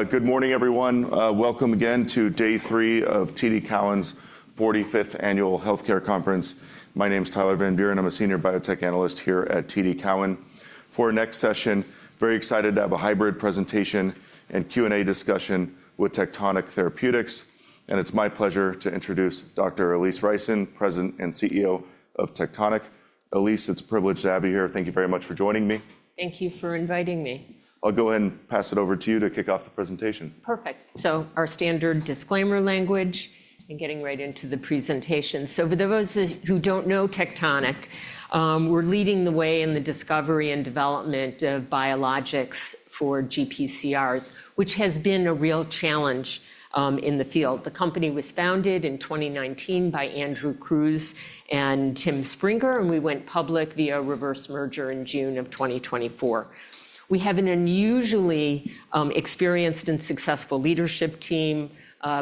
Good morning, everyone. Welcome again to day three of TD Cowen's 45th Annual Healthcare Conference. My name is Tyler Van Buren. I'm a senior biotech analyst here at TD Cowen. For our next session, very excited to have a hybrid presentation and Q&A discussion with Tectonic Therapeutics. And it's my pleasure to introduce Dr. Alise Reicin, President and CEO of Tectonic. Alise, it's a privilege to have you here. Thank you very much for joining me. Thank you for inviting me. I'll go ahead and pass it over to you to kick off the presentation. Perfect. Our standard disclaimer language and getting right into the presentation. For those who do not know, Tectonic, we are leading the way in the discovery and development of biologics for GPCRs, which has been a real challenge in the field. The company was founded in 2019 by Andrew Kruse and Tim Springer, and we went public via reverse merger in June of 2024. We have an unusually experienced and successful leadership team.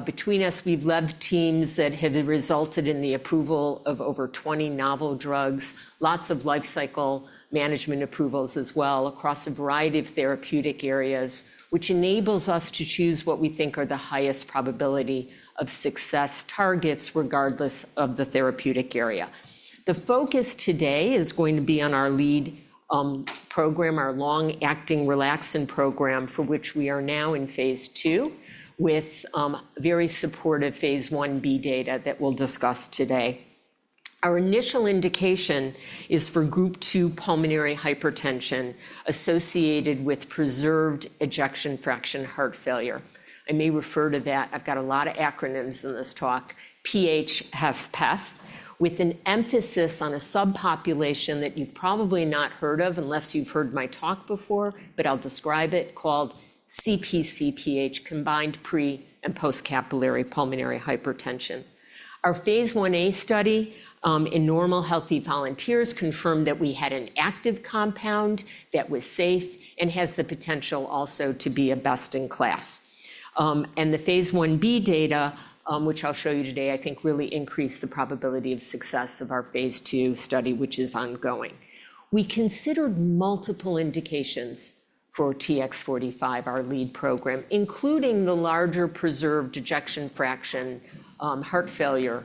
Between us, we have led teams that have resulted in the approval of over 20 novel drugs, lots of life cycle management approvals as well across a variety of therapeutic areas, which enables us to choose what we think are the highest probability of success targets regardless of the therapeutic area. The focus today is going to be on our lead program, our long-acting Relaxin program, for which we are now in phase two with very supportive phase one B data that we'll discuss today. Our initial indication is for group two pulmonary hypertension associated with preserved ejection fraction heart failure. I may refer to that. I've got a lot of acronyms in this talk, PH-HFpEF, with an emphasis on a subpopulation that you've probably not heard of unless you've heard my talk before, but I'll describe it, called CpcPH, combined pre- and postcapillary pulmonary hypertension. Our phase one A study in normal healthy volunteers confirmed that we had an active compound that was safe and has the potential also to be a best in class. The phase one B data, which I'll show you today, I think really increased the probability of success of our phase two study, which is ongoing. We considered multiple indications for TX45, our lead program, including the larger preserved ejection fraction heart failure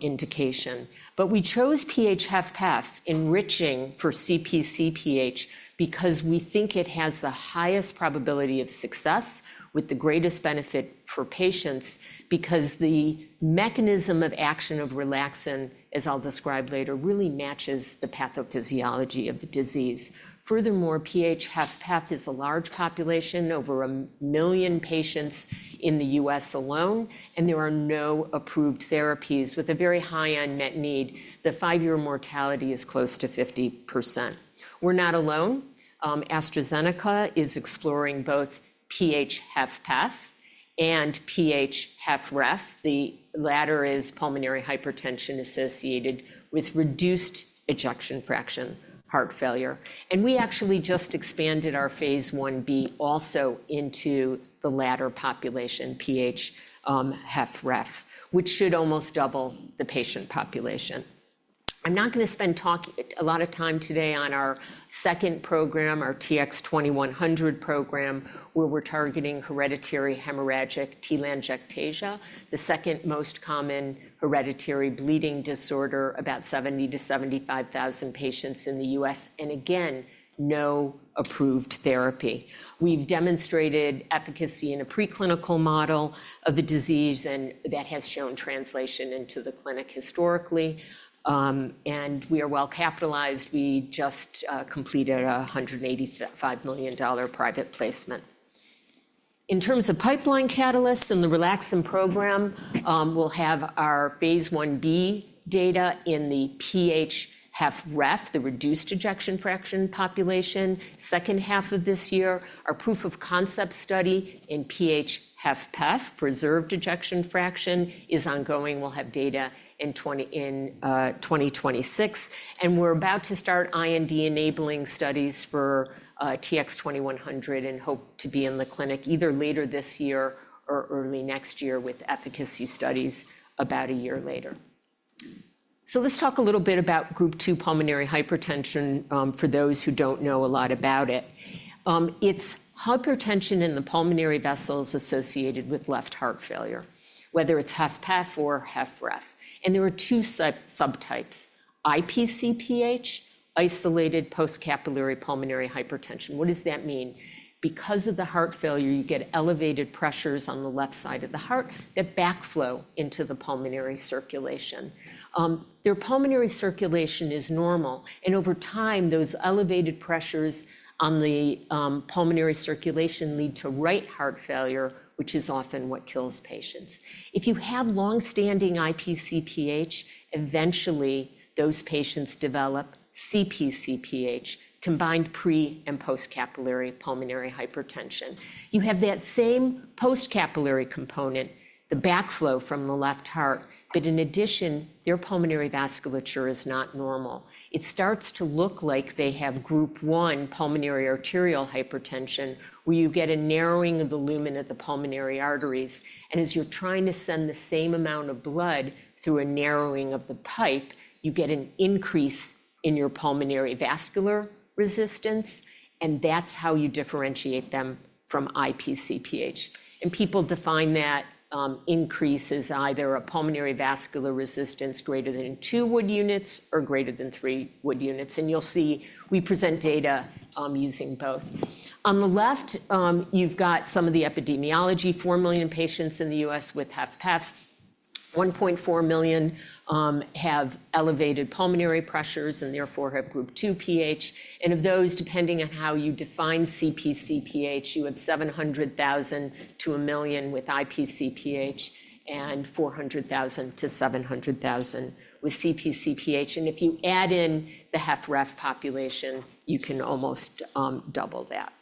indication. We chose PH-HFpEF enriching for CpcPH because we think it has the highest probability of success with the greatest benefit for patients because the mechanism of action of Relaxin, as I'll describe later, really matches the pathophysiology of the disease. Furthermore, PH-HFpEF is a large population, over a million patients in the U.S. alone, and there are no approved therapies with a very high unmet need. The five-year mortality is close to 50%. We're not alone. AstraZeneca is exploring both PH-HFpEF and PH-HFrEF. The latter is pulmonary hypertension associated with reduced ejection fraction heart failure. We actually just expanded our phase one B also into the latter population, PH-HFrEF, which should almost double the patient population. I'm not going to spend a lot of time today on our second program, our TX2100 program, where we're targeting hereditary hemorrhagic telangiectasia, the second most common hereditary bleeding disorder, about 70,000-75,000 patients in the US, and again, no approved therapy. We've demonstrated efficacy in a preclinical model of the disease, and that has shown translation into the clinic historically. We are well capitalized. We just completed a $185 million private placement. In terms of pipeline catalysts and the Relaxin program, we'll have our phase one B data in the PH-HFrEF, the reduced ejection fraction population, second half of this year. Our proof of concept study in PH-HFpEF, preserved ejection fraction, is ongoing. We'll have data in 2026. We're about to start IND enabling studies for TX2100 and hope to be in the clinic either later this year or early next year with efficacy studies about a year later. Let's talk a little bit about group two pulmonary hypertension for those who don't know a lot about it. It's hypertension in the pulmonary vessels associated with left heart failure, whether it's HFpEF or HFrEF. There are two subtypes: IpcPH, isolated postcapillary pulmonary hypertension. What does that mean? Because of the heart failure, you get elevated pressures on the left side of the heart that backflow into the pulmonary circulation. Their pulmonary circulation is normal. Over time, those elevated pressures on the pulmonary circulation lead to right heart failure, which is often what kills patients. If you have longstanding IpcPH, eventually those patients develop CpcPH, combined pre- and postcapillary pulmonary hypertension. You have that same postcapillary component, the backflow from the left heart, but in addition, their pulmonary vasculature is not normal. It starts to look like they have group one pulmonary arterial hypertension, where you get a narrowing of the lumen of the pulmonary arteries. As you're trying to send the same amount of blood through a narrowing of the pipe, you get an increase in your pulmonary vascular resistance. That's how you differentiate them from IpcPH. People define that increase as either a pulmonary vascular resistance greater than 2 Wood units or greater than 3 Wood units. You'll see we present data using both. On the left, you've got some of the epidemiology: 4 million patients in the U.S. with HFpEF. 1.4 million have elevated pulmonary pressures and therefore have group two PH. Of those, depending on how you define CpcPH, you have 700,000 to 1 million with IpcPH and 400,000 to 700,000 with CpcPH. If you add in the HFrEF population, you can almost double that.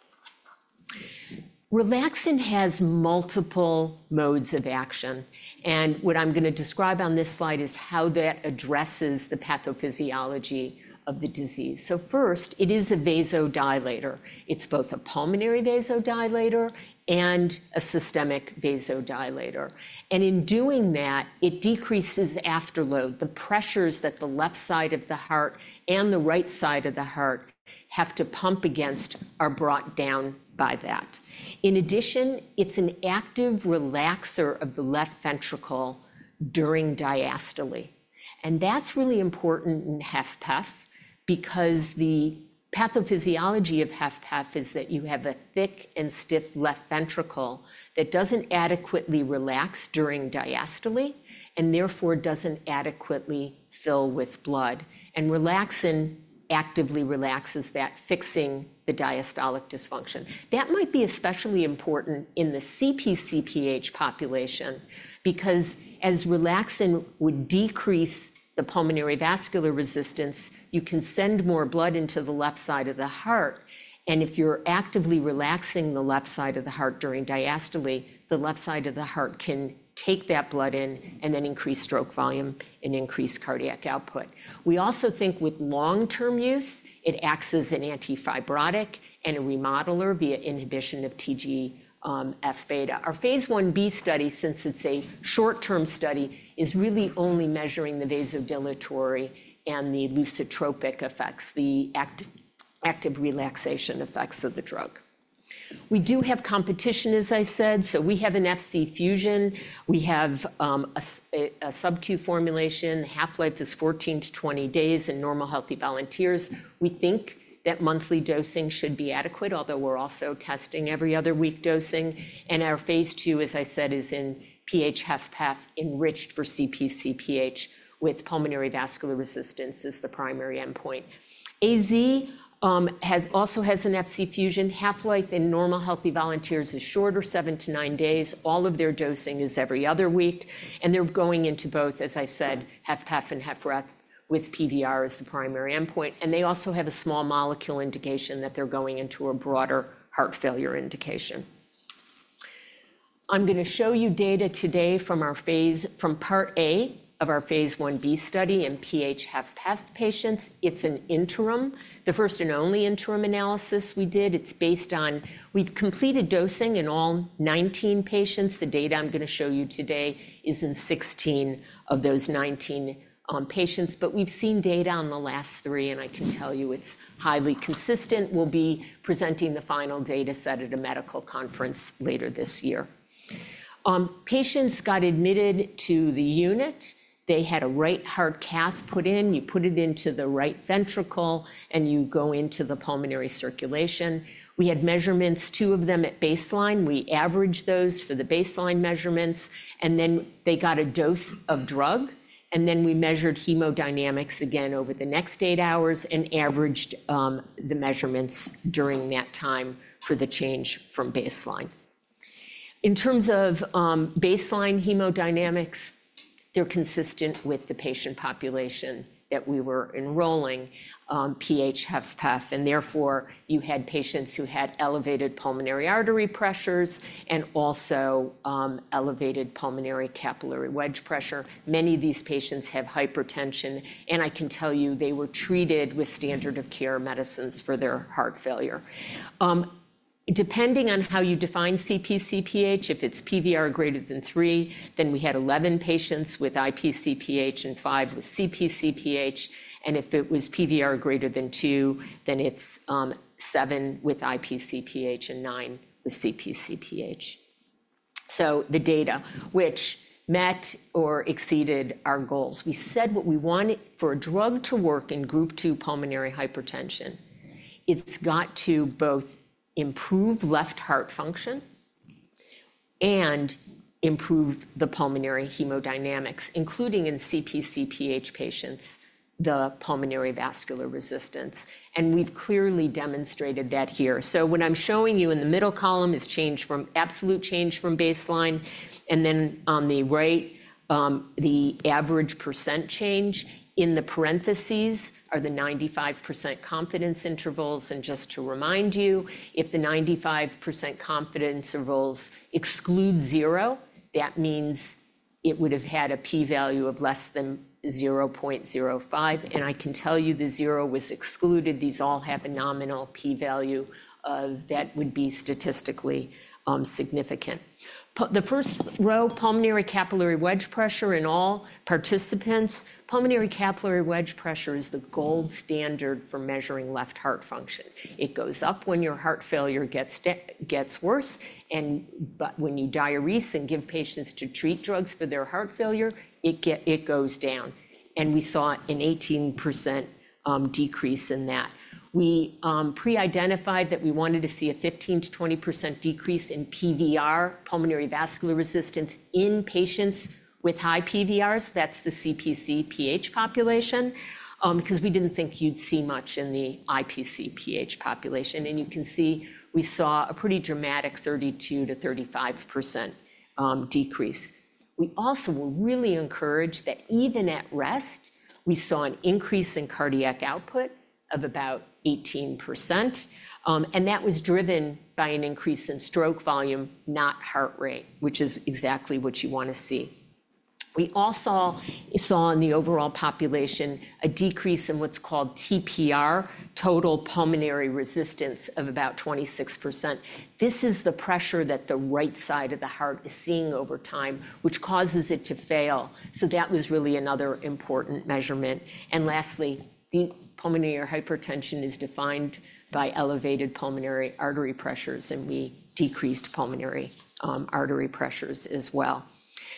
Relaxin has multiple modes of action. What I am going to describe on this slide is how that addresses the pathophysiology of the disease. First, it is a vasodilator. It is both a pulmonary vasodilator and a systemic vasodilator. In doing that, it decreases afterload. The pressures that the left side of the heart and the right side of the heart have to pump against are brought down by that. In addition, it is an active relaxer of the left ventricle during diastole. That is really important in HFpEF because the pathophysiology of HFpEF is that you have a thick and stiff left ventricle that does not adequately relax during diastole and therefore does not adequately fill with blood. Relaxin actively relaxes that, fixing the diastolic dysfunction. That might be especially important in the CpcPH population because as Relaxin would decrease the pulmonary vascular resistance, you can send more blood into the left side of the heart. If you are actively relaxing the left side of the heart during diastole, the left side of the heart can take that blood in and then increase stroke volume and increase cardiac output. We also think with long-term use, it acts as an antifibrotic and a remodeler via inhibition of TGF-β. Our phase 1b study, since it's a short-term study, is really only measuring the vasodilatory and the lucitropic effects, the active relaxation effects of the drug. We do have competition, as I said. We have an Fc-fusion. We have a subQ formulation. Half-life is 14-20 days in normal healthy volunteers. We think that monthly dosing should be adequate, although we're also testing every other week dosing. Our phase 2, as I said, is in PH-HFpEF enriched for CpcPH with pulmonary vascular resistance as the primary endpoint. AZ also has an Fc-fusion. Half-life in normal healthy volunteers is shorter, seven to nine days. All of their dosing is every other week. They're going into both, as I said, HFpEF and HFrEF with PVR as the primary endpoint. They also have a small molecule indication that they're going into a broader heart failure indication. I'm going to show you data today from our phase one B study in PH-HFpEF patients. It's an interim, the first and only interim analysis we did. It's based on we've completed dosing in all 19 patients. The data I'm going to show you today is in 16 of those 19 patients. We've seen data on the last three, and I can tell you it's highly consistent. We'll be presenting the final data set at a medical conference later this year. Patients got admitted to the unit. They had a right heart cath put in. You put it into the right ventricle, and you go into the pulmonary circulation. We had measurements, two of them at baseline. We averaged those for the baseline measurements. They got a dose of drug. We measured hemodynamics again over the next eight hours and averaged the measurements during that time for the change from baseline. In terms of baseline hemodynamics, they are consistent with the patient population that we were enrolling, PH-HFpEF. Therefore, you had patients who had elevated pulmonary artery pressures and also elevated pulmonary capillary wedge pressure. Many of these patients have hypertension. I can tell you they were treated with standard of care medicines for their heart failure. Depending on how you define CpcPH, if it is PVR greater than 3, then we had 11 patients with IpcPH and 5 with CpcPH. If it was PVR greater than 2, then it is 7 with IpcPH and 9 with CpcPH. The data met or exceeded our goals. We said what we wanted for a drug to work in group two pulmonary hypertension. It's got to both improve left heart function and improve the pulmonary hemodynamics, including in CpcPH patients, the pulmonary vascular resistance. We've clearly demonstrated that here. What I'm showing you in the middle column is change from absolute change from baseline. On the right, the average % change in the parentheses are the 95% confidence intervals. Just to remind you, if the 95% confidence intervals exclude zero, that means it would have had a p-value of less than 0.05. I can tell you the zero was excluded. These all have a nominal p-value that would be statistically significant. The first row, pulmonary capillary wedge pressure in all participants. Pulmonary capillary wedge pressure is the gold standard for measuring left heart function. It goes up when your heart failure gets worse. When you diurese and give patients drugs to treat their heart failure, it goes down. We saw an 18% decrease in that. We pre-identified that we wanted to see a 15%-20% decrease in PVR, pulmonary vascular resistance, in patients with high PVRs. That is the CpcPH population because we did not think you would see much in the IpcPH population. You can see we saw a pretty dramatic 32%-35% decrease. We also were really encouraged that even at rest, we saw an increase in cardiac output of about 18%. That was driven by an increase in stroke volume, not heart rate, which is exactly what you want to see. We also saw in the overall population a decrease in what is called TPR, total pulmonary resistance, of about 26%. This is the pressure that the right side of the heart is seeing over time, which causes it to fail. That was really another important measurement. Lastly, pulmonary hypertension is defined by elevated pulmonary artery pressures. We decreased pulmonary artery pressures as well.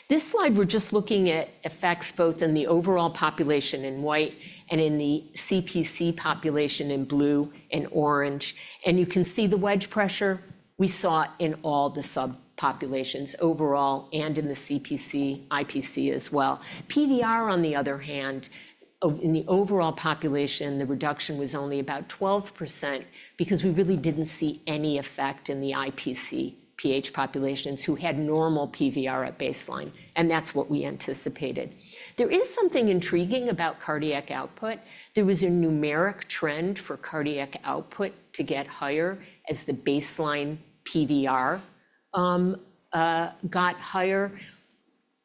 This slide, we're just looking at effects both in the overall population in white and in the CPC population in blue and orange. You can see the wedge pressure we saw in all the subpopulations overall and in the CPC, IPC as well. PVR, on the other hand, in the overall population, the reduction was only about 12% because we really didn't see any effect in the IpcPH populations who had normal PVR at baseline. That's what we anticipated. There is something intriguing about cardiac output. There was a numeric trend for cardiac output to get higher as the baseline PVR got higher.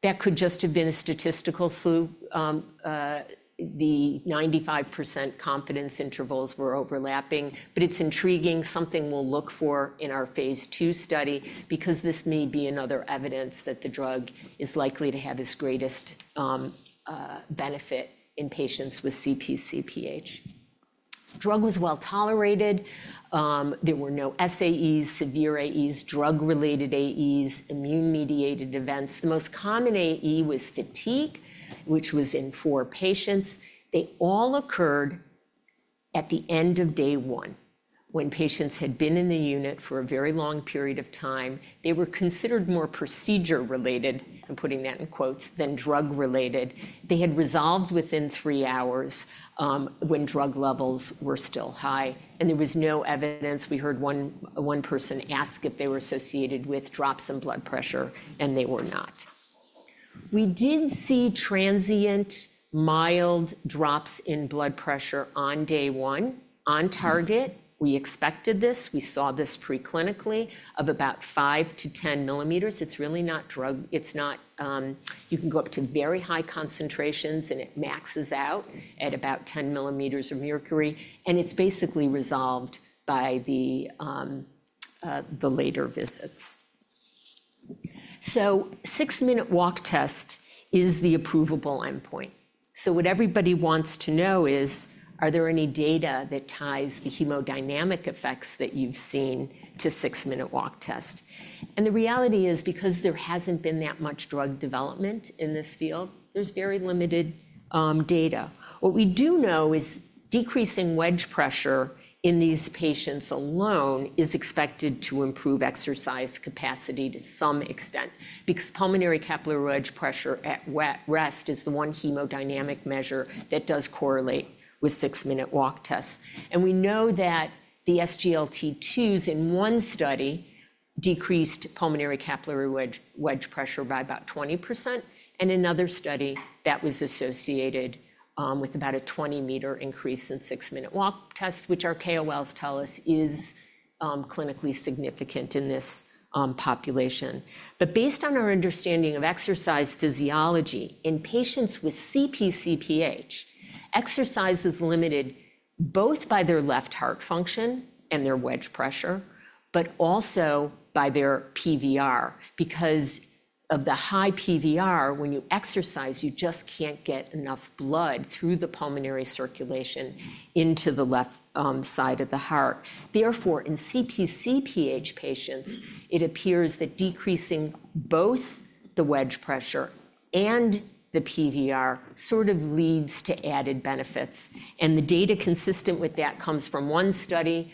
That could just have been a statistical slew. The 95% confidence intervals were overlapping. It is intriguing. Something we will look for in our phase two study because this may be another evidence that the drug is likely to have its greatest benefit in patients with CpcPH. Drug was well tolerated. There were no SAEs, severe AEs, drug-related AEs, immune-mediated events. The most common AE was fatigue, which was in four patients. They all occurred at the end of day one when patients had been in the unit for a very long period of time. They were considered more procedure-related, I am putting that in quotes, than drug-related. They had resolved within three hours when drug levels were still high. There was no evidence. We heard one person ask if they were associated with drops in blood pressure, and they were not. We did see transient mild drops in blood pressure on day one. On target, we expected this. We saw this preclinically of about 5-10 millimeters. It's really not drug. It's not you can go up to very high concentrations, and it maxes out at about 10 millimeters of mercury. It's basically resolved by the later visits. Six-minute walk test is the approvable endpoint. What everybody wants to know is, are there any data that ties the hemodynamic effects that you've seen to six-minute walk test? The reality is, because there hasn't been that much drug development in this field, there's very limited data. What we do know is decreasing wedge pressure in these patients alone is expected to improve exercise capacity to some extent because pulmonary capillary wedge pressure at rest is the one hemodynamic measure that does correlate with six-minute walk test. We know that the SGLT-2 in one study decreased pulmonary capillary wedge pressure by about 20%. In another study, that was associated with about a 20-meter increase in six-minute walk test, which our KOLs tell us is clinically significant in this population. Based on our understanding of exercise physiology in patients with CpcPH, exercise is limited both by their left heart function and their wedge pressure, but also by their PVR because of the high PVR. When you exercise, you just can't get enough blood through the pulmonary circulation into the left side of the heart. Therefore, in CpcPH patients, it appears that decreasing both the wedge pressure and the PVR sort of leads to added benefits. The data consistent with that comes from one study,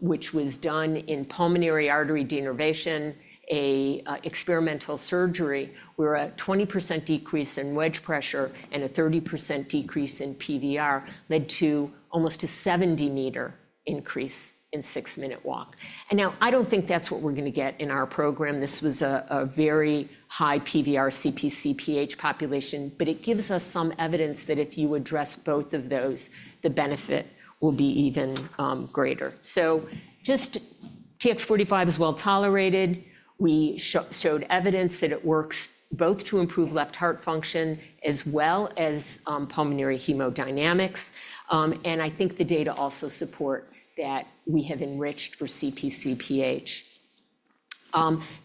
which was done in pulmonary artery denervation, an experimental surgery where a 20% decrease in wedge pressure and a 30% decrease in PVR led to almost a 70-meter increase in six-minute walk. I do not think that is what we are going to get in our program. This was a very high PVR CpcPH population. It gives us some evidence that if you address both of those, the benefit will be even greater. TX45 is well tolerated. We showed evidence that it works both to improve left heart function as well as pulmonary hemodynamics. I think the data also support that we have enriched for CpcPH.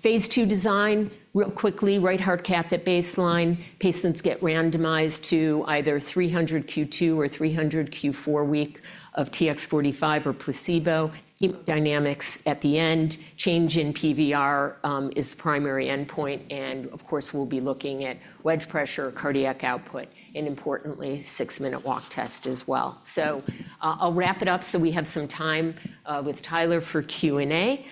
Phase two design, real quickly, right heart cath at baseline. Patients get randomized to either 300 Q2 or 300 Q4 week of TX45 or placebo. Hemodynamics at the end. Change in PVR is the primary endpoint. Of course, we'll be looking at wedge pressure, cardiac output, and importantly, six-minute walk test as well. I'll wrap it up so we have some time with Tyler for Q&A.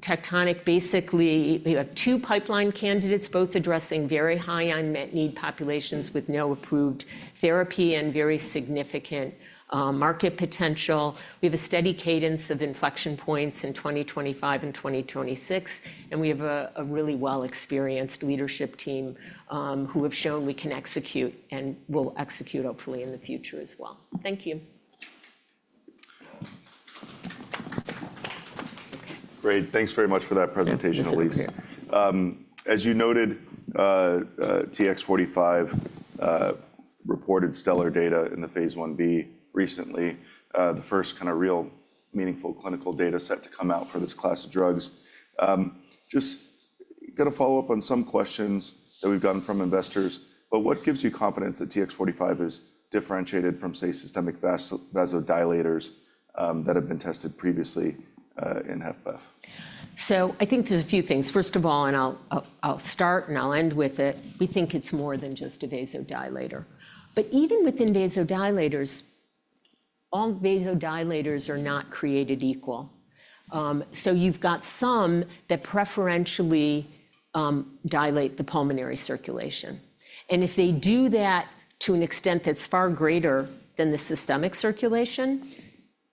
Tectonic, basically, we have two pipeline candidates, both addressing very high unmet need populations with no approved therapy and very significant market potential. We have a steady cadence of inflection points in 2025 and 2026. We have a really well-experienced leadership team who have shown we can execute and will execute, hopefully, in the future as well. Thank you. Okay. Great. Thanks very much for that presentation, Alise. As you noted, TX45 reported stellar data in the phase 1B recently, the first kind of real meaningful clinical data set to come out for this class of drugs. Just going to follow up on some questions that we've gotten from investors. What gives you confidence that TX45 is differentiated from, say, systemic vasodilators that have been tested previously in HFpEF? I think there's a few things. First of all, and I'll start and I'll end with it, we think it's more than just a vasodilator. Even within vasodilators, all vasodilators are not created equal. You've got some that preferentially dilate the pulmonary circulation. If they do that to an extent that's far greater than the systemic circulation,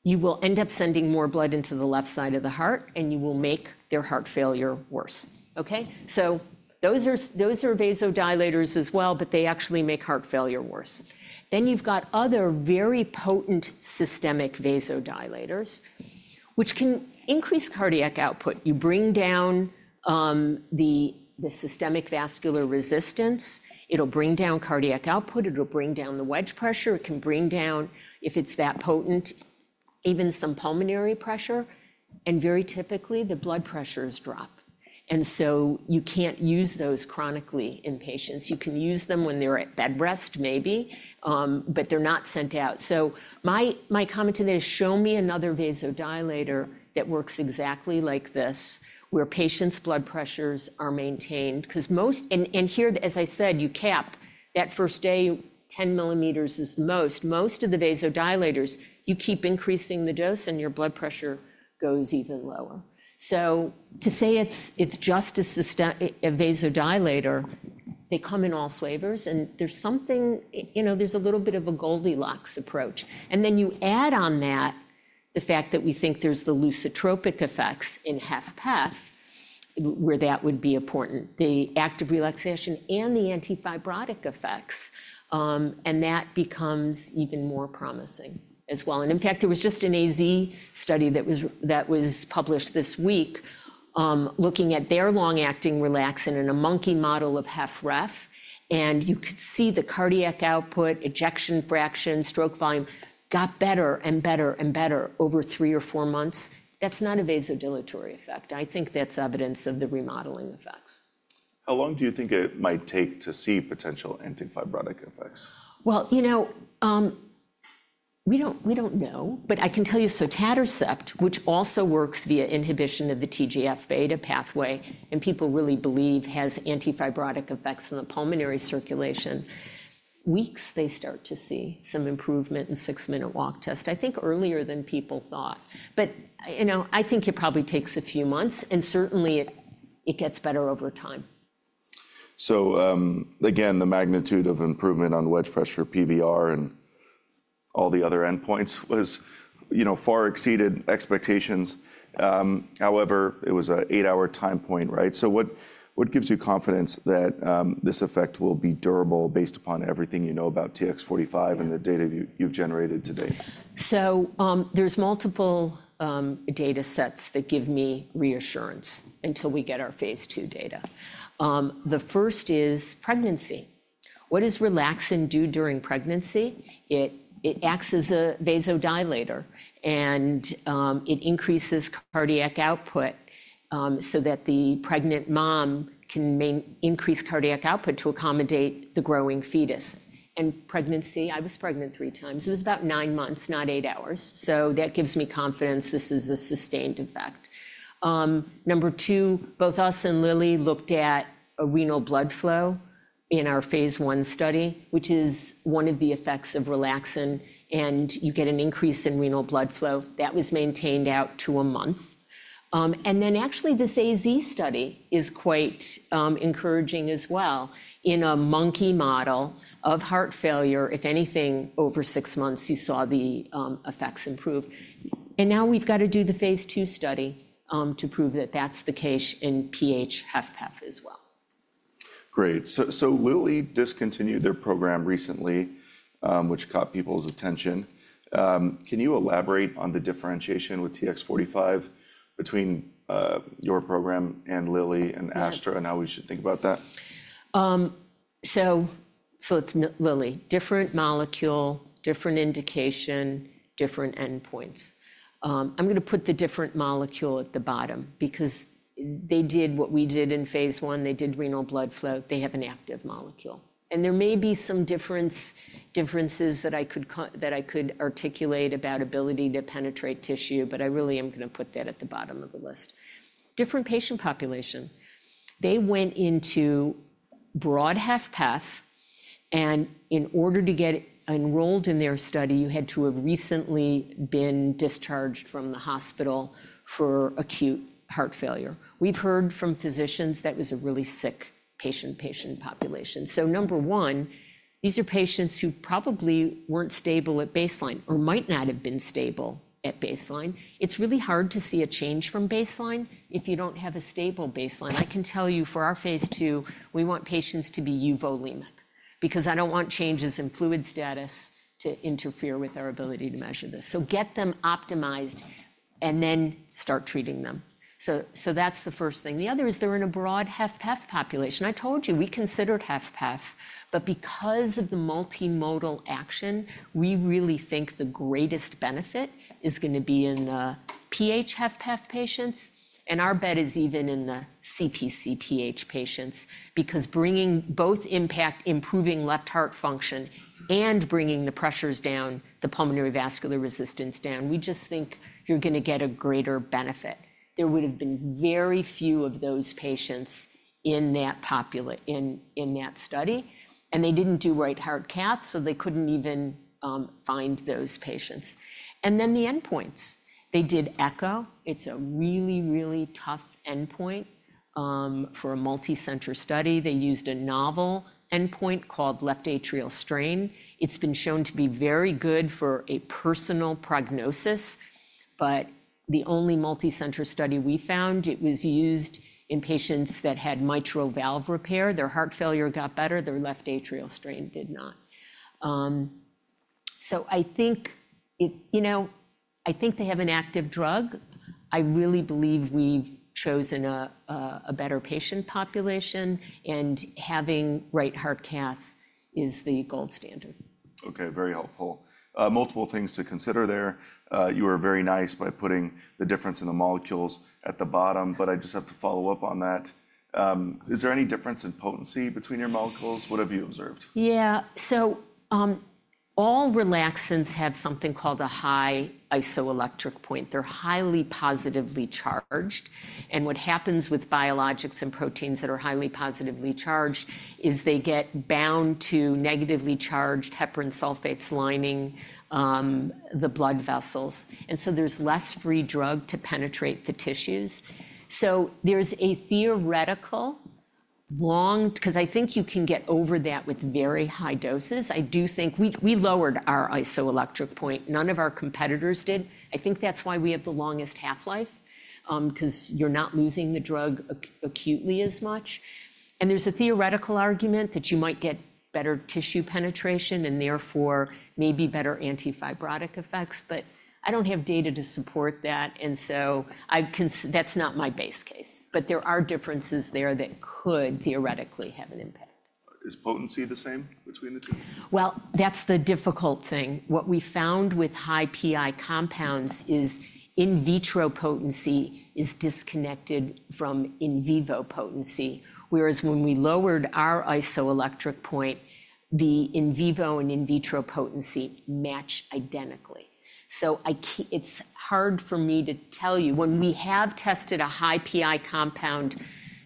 you will end up sending more blood into the left side of the heart, and you will make their heart failure worse. Okay? Those are vasodilators as well, but they actually make heart failure worse. Then you have other very potent systemic vasodilators, which can increase cardiac output. You bring down the systemic vascular resistance. It will bring down cardiac output. It will bring down the wedge pressure. It can bring down, if it is that potent, even some pulmonary pressure. Very typically, the blood pressures drop. You cannot use those chronically in patients. You can use them when they are at bedrest, maybe, but they are not sent out. My comment to that is show me another vasodilator that works exactly like this where patients' blood pressures are maintained because most, and here, as I said, you cap that first day, 10 millimeters is the most. Most of the vasodilators, you keep increasing the dose, and your blood pressure goes even lower. To say it's just a vasodilator, they come in all flavors. There's something, there's a little bit of a Goldilocks approach. Then you add on the fact that we think there's the lucitropic effects in HFpEF where that would be important, the active relaxation and the antifibrotic effects. That becomes even more promising as well. In fact, there was just an AZ study that was published this week looking at their long-acting relaxin in a monkey model of HFrEF. You could see the cardiac output, ejection fraction, stroke volume got better and better and better over three or four months. That's not a vasodilatory effect. I think that's evidence of the remodeling effects. How long do you think it might take to see potential antifibrotic effects? You know, we don't know. I can tell you sotatercept, which also works via inhibition of the TGF-β pathway and people really believe has antifibrotic effects in the pulmonary circulation, weeks they start to see some improvement in six-minute walk test, I think earlier than people thought. I think it probably takes a few months. Certainly, it gets better over time. Again, the magnitude of improvement on wedge pressure, PVR, and all the other endpoints was far exceeded expectations. However, it was an eight-hour time point, right? What gives you confidence that this effect will be durable based upon everything you know about TX45 and the data you've generated today? There are multiple data sets that give me reassurance until we get our phase two data. The first is pregnancy. What does relaxin do during pregnancy? It acts as a vasodilator. It increases cardiac output so that the pregnant mom can increase cardiac output to accommodate the growing fetus. Pregnancy, I was pregnant three times. It was about nine months, not eight hours. That gives me confidence this is a sustained effect. Number two, both us and Lilly looked at renal blood flow in our phase one study, which is one of the effects of relaxin. You get an increase in renal blood flow. That was maintained out to a month. Actually, this AZ study is quite encouraging as well. In a monkey model of heart failure, if anything, over six months, you saw the effects improve. Now we've got to do the phase two study to prove that that's the case in PH-HFpEF as well. Great. Lilly discontinued their program recently, which caught people's attention. Can you elaborate on the differentiation with TX45 between your program and Lilly and Astra and how we should think about that? It is Lilly. Different molecule, different indication, different endpoints. I am going to put the different molecule at the bottom because they did what we did in phase one. They did renal blood flow. They have an active molecule. There may be some differences that I could articulate about ability to penetrate tissue. I really am going to put that at the bottom of the list. Different patient population. They went into broad HFpEF. In order to get enrolled in their study, you had to have recently been discharged from the hospital for acute heart failure. We have heard from physicians that was a really sick patient population. Number one, these are patients who probably were not stable at baseline or might not have been stable at baseline. It is really hard to see a change from baseline if you do not have a stable baseline. I can tell you for our phase two, we want patients to be euvolemic because I do not want changes in fluid status to interfere with our ability to measure this. Get them optimized and then start treating them. That is the first thing. The other is they are in a broad HFpEF population. I told you we considered HFpEF. Because of the multimodal action, we really think the greatest benefit is going to be in the PH-HFpEF patients. Our bet is even in the CpcPH patients because bringing both improving left heart function and bringing the pressures down, the pulmonary vascular resistance down, we just think you're going to get a greater benefit. There would have been very few of those patients in that study. They did not do right heart cath, so they could not even find those patients. The endpoints—they did echo. It is a really, really tough endpoint for a multicenter study. They used a novel endpoint called left atrial strain. It has been shown to be very good for a personal prognosis. The only multicenter study we found, it was used in patients that had mitral valve repair. Their heart failure got better. Their left atrial strain did not. I think they have an active drug. I really believe we have chosen a better patient population. Having right heart cath is the gold standard. Okay. Very helpful. Multiple things to consider there. You were very nice by putting the difference in the molecules at the bottom. I just have to follow up on that. Is there any difference in potency between your molecules? What have you observed? Yeah. All relaxins have something called a high isoelectric point. They're highly positively charged. What happens with biologics and proteins that are highly positively charged is they get bound to negatively charged heparin sulfates lining the blood vessels. There's less free drug to penetrate the tissues. There's a theoretical long because I think you can get over that with very high doses. I do think we lowered our isoelectric point. None of our competitors did. I think that's why we have the longest half-life because you're not losing the drug acutely as much. There's a theoretical argument that you might get better tissue penetration and therefore maybe better antifibrotic effects. I don't have data to support that. That's not my base case. There are differences there that could theoretically have an impact. Is potency the same between the two? That's the difficult thing. What we found with high PI compounds is in vitro potency is disconnected from in vivo potency. Whereas when we lowered our isoelectric point, the in vivo and in vitro potency match identically. It's hard for me to tell you. When we have tested a high PI compound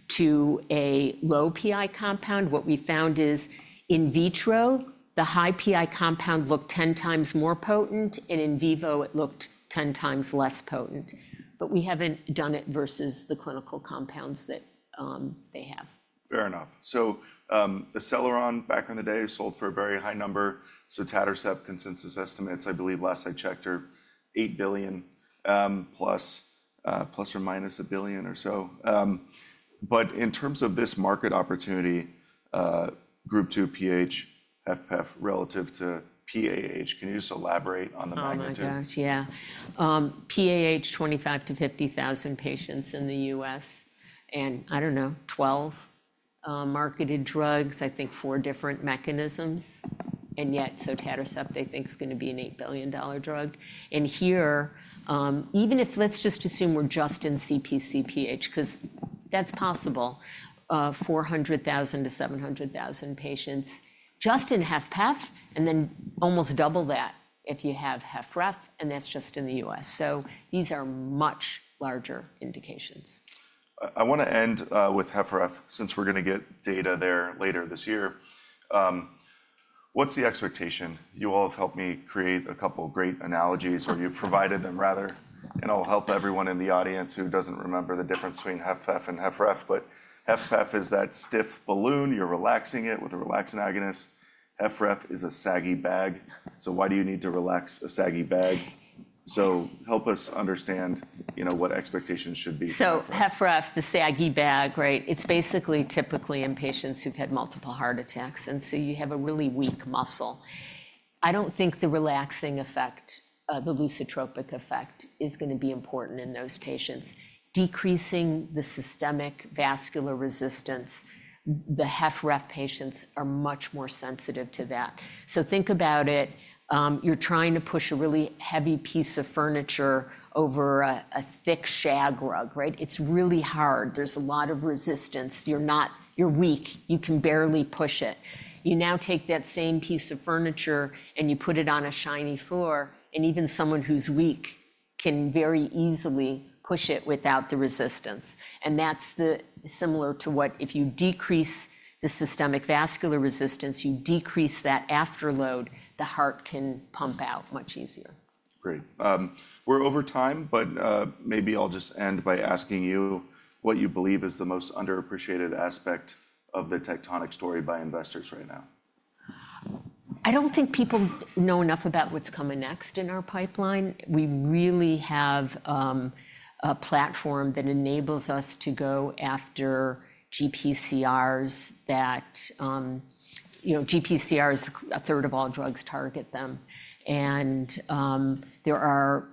to a low PI compound, what we found is in vitro, the high PI compound looked 10 times more potent. In vivo, it looked 10 times less potent. We haven't done it versus the clinical compounds that they have. Fair enough. Acceleron back in the day sold for a very high number. Sotatercept consensus estimates, I believe, last I checked, are $8 billion ±$1 billion or so. In terms of this market opportunity, group two PH-HFpEF relative to PAH, can you just elaborate on the magnitude? Oh my gosh, yeah. PAH 25,000-50,000 patients in the U.S. I don't know, 12 marketed drugs, I think four different mechanisms. Yet, sotatercept, they think, is going to be an $8 billion drug. Here, even if let's just assume we're just in CpcPH because that's possible, 400,000-700,000 patients just in HFpEF and then almost double that if you have HFrEF. That's just in the U.S. These are much larger indications. I want to end with HFrEF since we're going to get data there later this year. What's the expectation? You all have helped me create a couple of great analogies or you provided them, rather. I'll help everyone in the audience who doesn't remember the difference between HFPEF and HFrEF. HFPEF is that stiff balloon. You're relaxing it with a relaxin agonist. HFrEF is a saggy bag. Why do you need to relax a saggy bag? Help us understand what expectations should be. HFrEF, the saggy bag, right, it's basically typically in patients who've had multiple heart attacks. You have a really weak muscle. I don't think the relaxing effect, the lucitropic effect, is going to be important in those patients. Decreasing the systemic vascular resistance, the HFrEF patients are much more sensitive to that. Think about it. You're trying to push a really heavy piece of furniture over a thick shag rug, right? It's really hard. There's a lot of resistance. You're weak. You can barely push it. You now take that same piece of furniture and you put it on a shiny floor. Even someone who's weak can very easily push it without the resistance. That's similar to what if you decrease the systemic vascular resistance, you decrease that afterload, the heart can pump out much easier. Great. We're over time. Maybe I'll just end by asking you what you believe is the most underappreciated aspect of the Tectonic story by investors right now. I don't think people know enough about what's coming next in our pipeline. We really have a platform that enables us to go after GPCRs. GPCRs, a third of all drugs target them. There are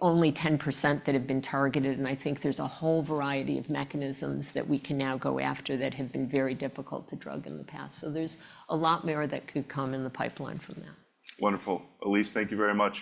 only 10% that have been targeted. I think there's a whole variety of mechanisms that we can now go after that have been very difficult to drug in the past. There is a lot more that could come in the pipeline from that. Wonderful. Alise, thank you very much.